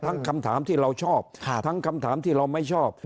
คำถามที่เราชอบทั้งคำถามที่เราไม่ชอบ